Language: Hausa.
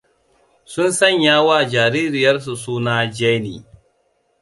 Sun sanyawa jaririyarsu suna Jenny.